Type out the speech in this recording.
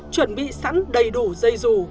chuẩn bị sẵn đầy đủ dây dù